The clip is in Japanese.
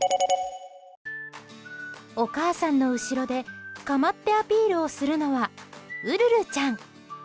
お母さんの後ろで構ってアピールをするのはウルルちゃん。